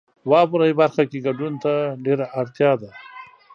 واورئ برخه کې ګډون ته ډیره اړتیا ده.